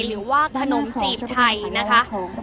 หรือว่าขนมจีบไทยนะคะ